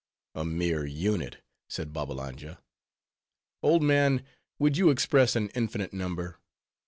"A mere unit!" said Babbalanja. "Old man, would you express an infinite number?